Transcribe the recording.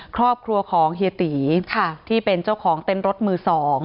ครอบครัวของเฮียตีที่เป็นเจ้าของเต้นรถมือ๒